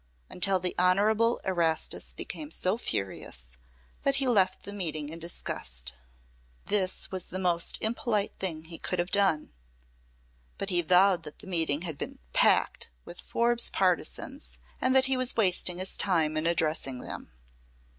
until the Honorable Erastus became so furious that he left the meeting in disgust. This was the most impolite thing he could have done, but he vowed that the meeting had been "packed" with Forbes partisans and that he was wasting his time in addressing them.